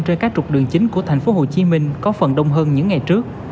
trên các trục đường chính của tp hcm có phần đông hơn những ngày trước